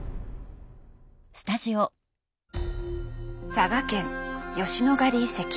佐賀県吉野ヶ里遺跡。